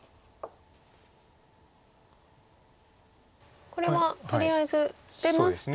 これはとりあえず出ますとワタってと。